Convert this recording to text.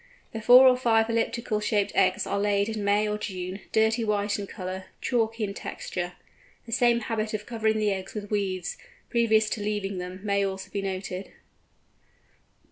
The four or five elliptical shaped eggs are laid in May or June, dirty white in colour, chalky in texture. The same habit of covering the eggs with weeds, previous to leaving them, may also be noted.